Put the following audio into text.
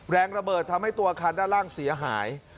แรงระเบิดทำให้ตัวอาคารด้านล่างเสียหาย